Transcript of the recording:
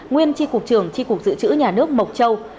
nguyên tri cục trường tri cục dự trữ nhà nước mộc châu